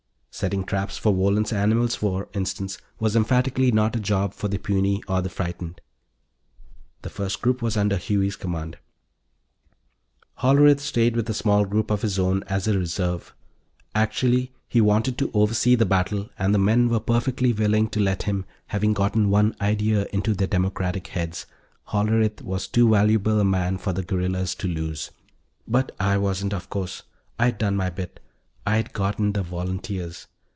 Setting traps for Wohlen's animals, for instance, was emphatically not a job for the puny or the frightened. The first group was under Huey's command. Hollerith stayed with a small group of his own as a "reserve"; actually, he wanted to oversee the battle, and the men were perfectly willing to let him, having gotten one idea into their democratic heads: Hollerith was too valuable a man for the guerrillas to lose. But I wasn't, of course. I'd done my bit; I'd gotten the volunteers.